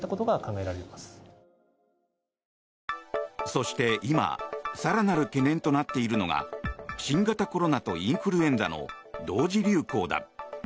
そして今更なる懸念となっているのが新型コロナとインフルエンザの同時流行だ。